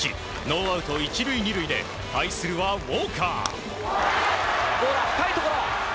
ノーアウト１塁２塁で対するはウォーカー。